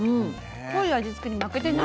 濃い味つけに負けてない。